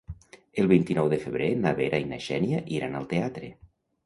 El vint-i-nou de febrer na Vera i na Xènia iran al teatre.